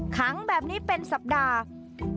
ขังแบบนี้เป็นสัปดาห์